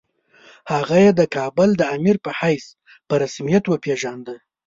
هغه یې د کابل د امیر په حیث په رسمیت وپېژانده.